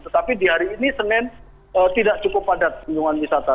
tetapi di hari ini senin tidak cukup padat kunjungan wisata